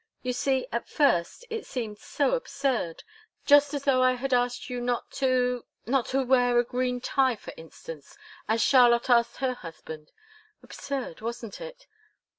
You see, at first, it seemed so absurd! Just as though I had asked you not to not to wear a green tie, for instance, as Charlotte asked her husband. Absurd, wasn't it?